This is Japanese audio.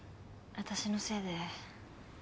私のせいで。